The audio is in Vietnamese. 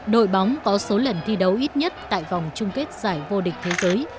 đội bóng có số lần thi đấu ít nhất tại vòng chung kết giải vô địch thế giới